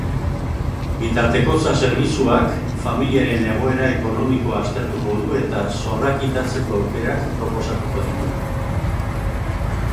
Bitartekotza-zerbitzuak familiaren egoera ekonomikoa aztertuko du eta zorra kitatzeko aukerak proposatuko ditu.